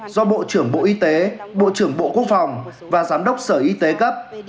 do bộ trưởng bộ y tế bộ trưởng bộ quốc phòng và giám đốc sở y tế cấp